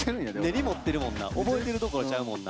根に持ってるもんな覚えてるどころちゃうもんな。